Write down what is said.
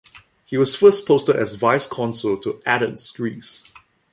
He was first posted as vice consul to Athens, Greece.